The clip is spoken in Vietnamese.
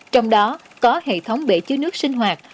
trong đó có hệ thống bể chứa nước sinh hoạt